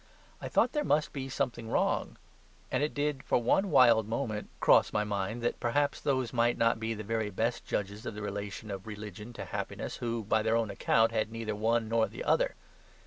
I thought there must be something wrong. And it did for one wild moment cross my mind that, perhaps, those might not be the very best judges of the relation of religion to happiness who, by their own account, had neither one nor the other.